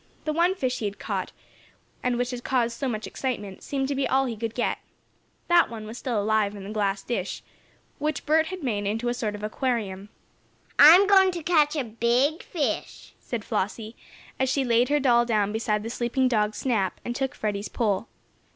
That one fish he had caught, and which had caused so much excitement, seemed to be all he could get. That one was still alive in the glass dish, which Bert had made into sort of an aquarium. "I'm going to catch a big fish," said Flossie, as she laid her doll down beside the sleeping dog Snap, and took Freddie's pole.